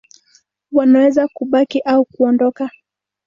Wanaweza kubaki au kuondoka.